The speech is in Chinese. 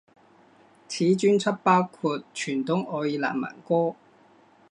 此专辑包括传统爱尔兰民歌。